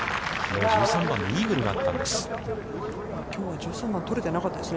１３番でイーグルがあったんです。